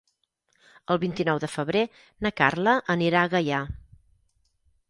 El vint-i-nou de febrer na Carla anirà a Gaià.